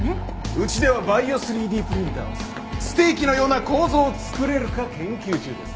うちではバイオ３Ｄプリンターを使ってステーキのような構造を作れるか研究中です。